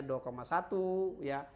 ada diatasnya dua satu